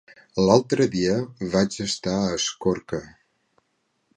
L'altre dia vaig estar a Escorca.